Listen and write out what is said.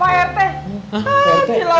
hah pak rt